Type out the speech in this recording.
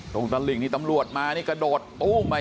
ตรงตาหลิงนี้ตำรวจมาขนาดของบทผูมตรงนี้